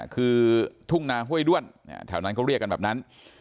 คือทุ่งนาห้วยด้วนแถวนั้นเขาเรียกกันแบบนั้น